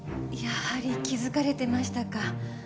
やはり気づかれてましたか。